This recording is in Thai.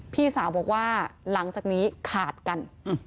พี่สาวบอกว่าหลังจากนี้ขาดกัน